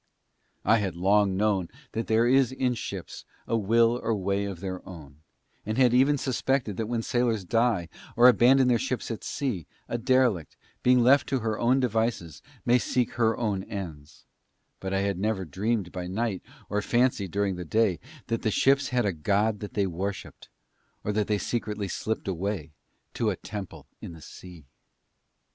I had long known that there is in ships a will or way of their own, and had even suspected that when sailors die or abandon their ships at sea, a derelict, being left to her own devices, may seek her own ends; but I had never dreamed by night, or fancied during the day, that the ships had a god that they worshipped, or that they secretly slipped away to a temple in the sea.